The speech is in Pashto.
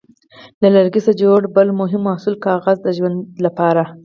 له لرګي څخه جوړ بل مهم محصول کاغذ دی د ژوند لپاره.